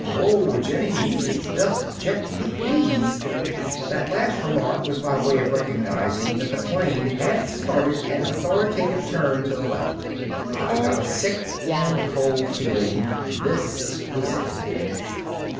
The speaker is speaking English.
Whoa, Jenny! Easy does it. Gently, please!" That last remark was by way of recognizing that the plane had started an authoritative turn to the left. I got a sick and cold feeling. This was it.